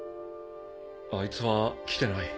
あいつは来てない。